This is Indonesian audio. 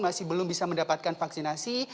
masih belum bisa mendapatkan vaksinasi